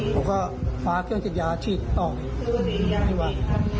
ผมก็ฟ้าเครื่องฉีดยาฉีดต่อไปไม่ว่า